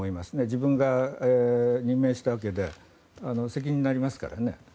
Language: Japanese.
自分が任命したわけで責任になりますからね。